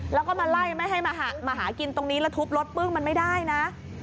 แล้วก็มาไล่ไม่ให้มาหากินตรงนี้แล้วทุบรถปึ้งมันไม่ได้นะ